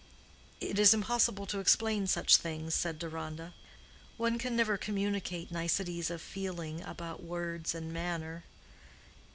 "It is impossible to explain such things," said Deronda. "One can never communicate niceties of feeling about words and manner."